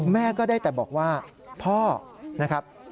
แม่ก็ได้แต่บอกว่าพ่อนะครับ